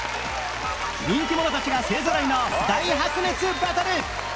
人気者たちが勢ぞろいの大白熱バトル！